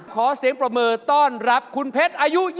ขอเสียงปรเมอร์ต้อนรับคุณเพชรอายุ๒๐